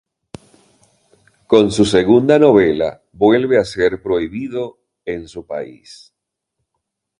Con su segunda novela, vuelve a ser prohibido en su país.